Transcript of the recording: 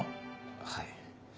はい。